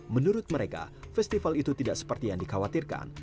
menurut mereka festival itu tidak seperti yang dikhawatirkan